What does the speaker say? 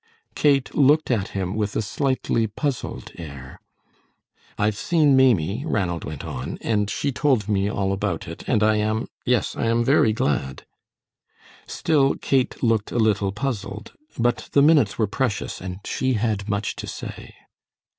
Kate looked at him with a slightly puzzled air. "I've seen Maimie," Ranald went on, "and she told me all about it, and I am yes, I am very glad." Still Kate looked a little puzzled, but the minutes were precious, and she had much to say.